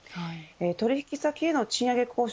取引先への賃上げ交渉